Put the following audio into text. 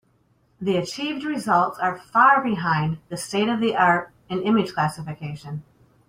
The achieved results are far behind the state-of-the-art in image classification.